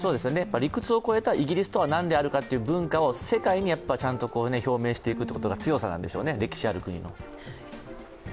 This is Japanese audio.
理屈を超えたイギリスとは何であるかという文化を世界にちゃんと表明していくということが強さなんでしょうね、歴史ある国の。